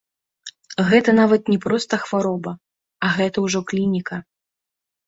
Гэта нават не проста хвароба, а гэта ўжо клініка.